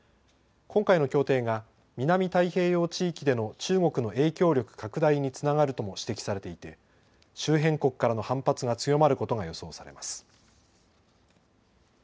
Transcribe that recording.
今回の協定が南太平洋地域での中国の影響力拡大につながるとも指摘されていて周辺国からの反発が強まることが予想されます。